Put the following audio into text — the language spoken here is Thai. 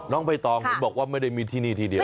น้องไพทองบอกว่าไม่ได้มีที่นี้ทีเดียว